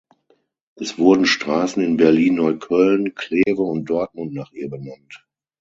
Es wurden Straßen in Berlin-Neukölln, Kleve und Dortmund nach ihr benannt.